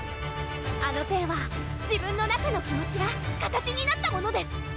あのペンは自分の中の気持ちが形になったものです！